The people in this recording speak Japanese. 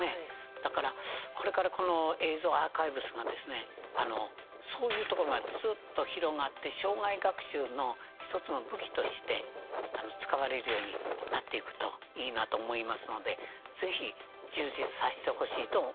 だから、これからこの映像アーカイブスがですねそういうところまでずっと広がって生涯学習の１つの武器として使われるようになっていくといいなと思いますのでぜひ充実させてほしいと思います。